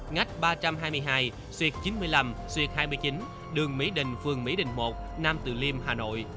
bảy mươi hai bảy mươi năm ngách ba trăm hai mươi hai xuyệt chín mươi năm xuyệt hai mươi chín đường mỹ đình phường mỹ đình một nam từ liêm hà nội